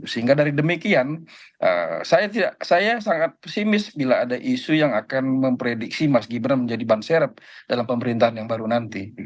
sehingga dari demikian saya sangat pesimis bila ada isu yang akan memprediksi mas gibran menjadi ban serep dalam pemerintahan yang baru nanti